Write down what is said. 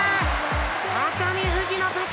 熱海富士の勝ち！